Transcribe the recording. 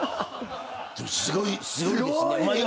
でもすごいですね。